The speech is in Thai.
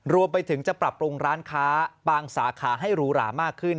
รวมไปถึงจะปรับปรุงร้านค้าบางสาขาให้หรูหรามากขึ้น